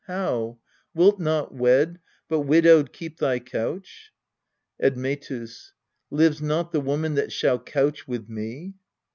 How ? wilt not wed, but widowed keep thy couch ? Admetus. Lives not the woman that shall couch with me.